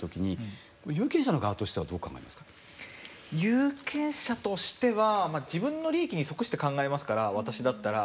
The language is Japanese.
有権者としては自分の利益に即して考えますから私だったら。